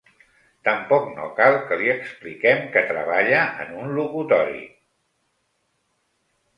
Tampoc no cal que li expliquem que treballa en un locutori...